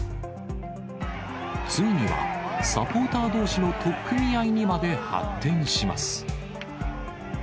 ついにはサポーターどうしの取っ組み合いにまで発展します。